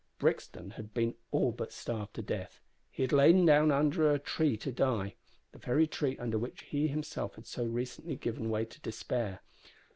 Brixton had been all but starved to death. He had lain down under a tree to die the very tree under which he himself had so recently given way to despair.